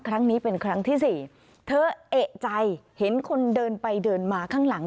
ครั้งนี้เป็นครั้งที่สี่เธอเอกใจเห็นคนเดินไปเดินมาข้างหลัง